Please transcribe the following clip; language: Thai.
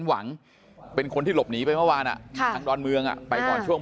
หวังเป็นคนที่หลบหนีไปเมื่อวานอ่ะค่ะทางดอนเมืองอ่ะไปก่อนช่วง